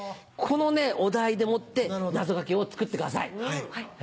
このお題でもって謎掛けを作ってください。